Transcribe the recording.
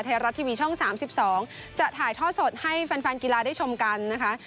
ไทยรัฐทีวีช่อง๓๒จะถ่ายท่อสดให้แฟนกีฬาได้ชมกันนะคะ